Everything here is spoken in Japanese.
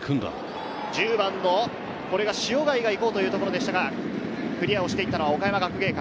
１０番の塩貝が行こうというところでしたが、クリアをしていったのは岡山学芸館。